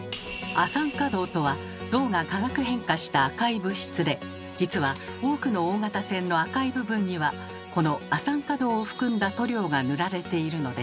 亜酸化銅とは銅が化学変化した赤い物質で実は多くの大型船の赤い部分にはこの亜酸化銅を含んだ塗料が塗られているのです。